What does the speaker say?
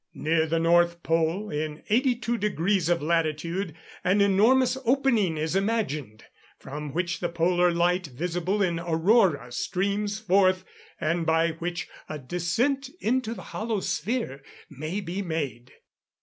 Near the north pole, in 82 deg. of latitude, an enormous opening is imagined, from which the polar light visible in Aurora streams forth, and by which a descent into the hollow sphere may be made.